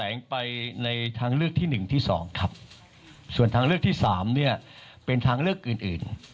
ลงไปในทางเลือกที่หนึ่งที่สองครับส่วนทางเลือกที่สามเนี่ยเป็นทางเลือกอื่นอื่น